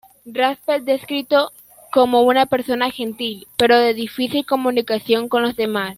Raspe es descrito como una persona gentil, pero de difícil comunicación con los demás.